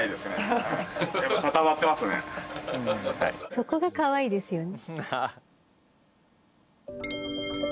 そこがかわいいですよね。